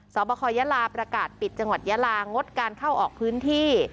บคยาลาประกาศปิดจังหวัดยาลางดการเข้าออกพื้นที่